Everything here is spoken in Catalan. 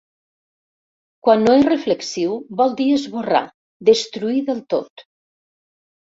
Quan no és reflexiu vol dir esborrar, destruir del tot.